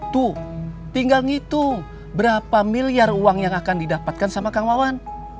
tuh tinggal ngitung berapa miliar uang yang akan didapatkan sama kang maman